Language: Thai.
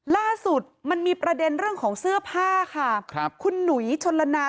ล่าสุดมันมีประเด็นเรื่องของเสื้อผ้าค่ะครับคุณหนุยชนละนา